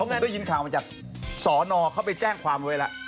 ผมได้ยินข่าวมาจากสอนอเขาไปแจ้งความไว้แล้ว